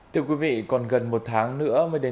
thưa quý vị còn gần một tháng nữa